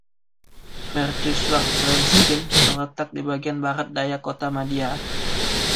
Mercusuar Bremstein terletak di bagian barat daya kota madya.